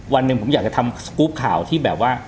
วันหนึ่งผมอยากจะทำสกรูปข่าวที่แบบว่า